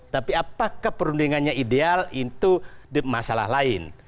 tapi apakah perundingannya ideal itu masalah lain